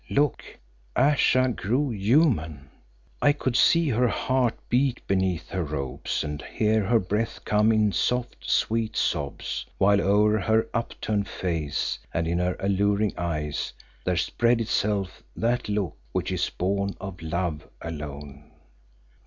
Look! Ayesha grew human; I could see her heart beat beneath her robes and hear her breath come in soft, sweet sobs, while o'er her upturned face and in her alluring eyes there spread itself that look which is born of love alone.